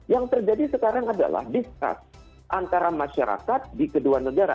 yang terjadi sekarang adalah distrust antara masyarakat di kedua negara